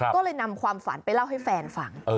ก็เลยนำความฝันไปเล่าให้แฟนฟัง